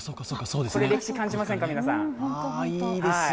これ、歴史感じませんか、皆さん？